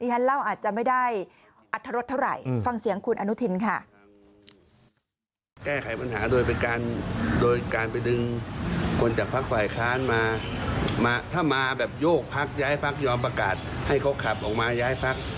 ถ้ามาแบบโยกพักย้ายพักยอมประกาศให้เขาขับออกมาย้ายพัก